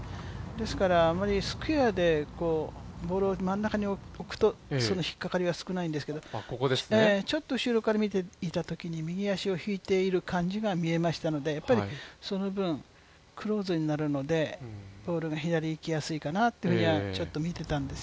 ですから、スクエアでボールを真ん中に置くと、引っかかりが少ないんですけど、ちょっと後ろから見たときに、右足を引いている感じだったのでその分、クローズになるので、ボールが左に行きやすいかなというふうには見てましたね。